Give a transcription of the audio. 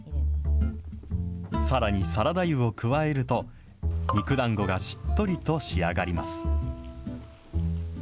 さらに、サラダ油を加えると、肉だんごがしっとりと仕上がります。